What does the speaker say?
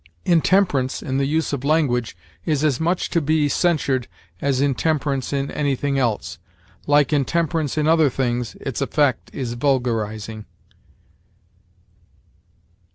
Intemperance in the use of language is as much to be censured as intemperance in anything else; like intemperance in other things, its effect is vulgarizing.